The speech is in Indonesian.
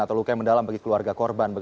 atau lukai mendalam bagi keluarga korban